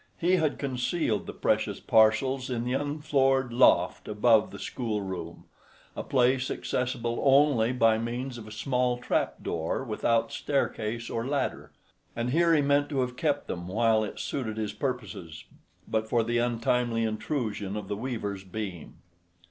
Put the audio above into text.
He had concealed the precious parcels in the unfloored loft above the school room, a place accessible only by means of a small trap door without staircase or ladder; and here he meant to have kept them while it suited his purposes, but for the untimely intrusion of the weaver's beam.